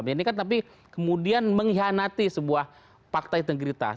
ini kan tapi kemudian mengkhianati sebuah fakta integritas